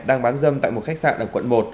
đang bán dâm tại một khách sạn ở quận một